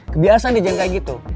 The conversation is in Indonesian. kebiasaan deh jangan kayak gitu